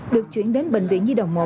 được chuyển đến bệnh viện nhi đồng một